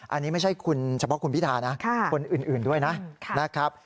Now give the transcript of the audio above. อันนี้ไม่ใช่คุณเฉพาะคุณพิธานะคนอื่นด้วยนะครับ